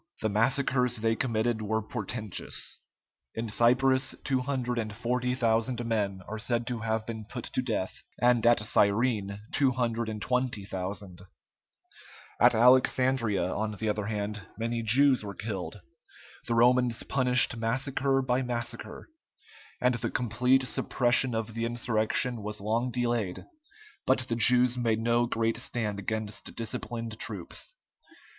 The massacres they committed were portentous. In Cyprus 240,000 men are said to have been put to death, and at Cyrene 220,000. At Alexandria, on the other hand, many Jews were killed. The Romans punished massacre by massacre, and the complete suppression of the insurrection was long delayed, but the Jews made no great stand against disciplined troops.